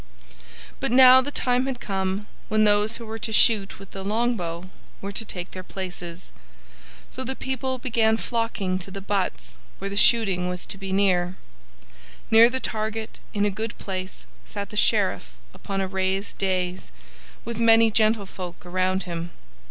But now the time had come when those who were to shoot with the longbow were to take their places, so the people began flocking to the butts where the shooting was to be. Near the target, in a good place, sat the Sheriff upon a raised dais, with many gentlefolk around him.